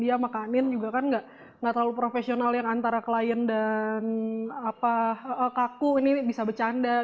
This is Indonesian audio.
dia makanin juga kan gak terlalu profesional yang antara klien dan kaku ini bisa bercanda